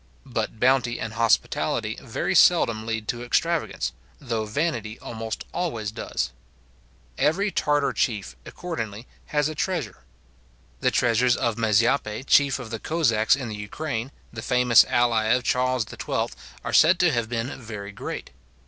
But bounty and hospitality very seldom lead to extravagance; though vanity almost always does. Every Tartar chief, accordingly, has a treasure. The treasures of Mazepa, chief of the Cossacks in the Ukraine, the famous ally of Charles XII., are said to have been very great.